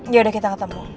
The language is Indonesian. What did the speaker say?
ya udah kita ketemu